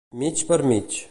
Mig per mig.